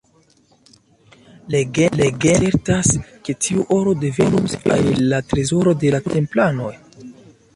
Legendo asertas, ke tiu oro devenus el la trezoro de la Templanoj.